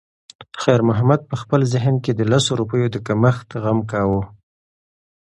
خیر محمد په خپل ذهن کې د لسو روپیو د کمښت غم کاوه.